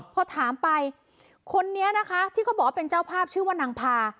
พอถามไปคนนี้นะคะที่เขาบอกว่าเป็นเจ้าภาพชื่อว่านางพา